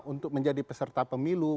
untuk menjadi peserta pemilu